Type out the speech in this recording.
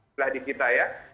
setelah di kita ya